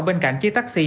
bên cạnh chiếc taxi